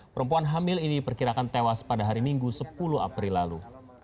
perempuan hamil ini diperkirakan tewas pada hari minggu sepuluh april lalu